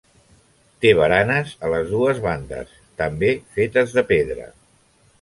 Té baranes a les dues bandes, també fetes de pedra.